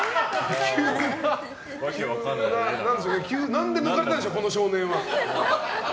何で抜かれたんでしょうこの少年は。